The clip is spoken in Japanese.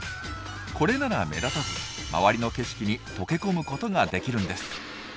これなら目立たず周りの景色に溶け込むことができるんです。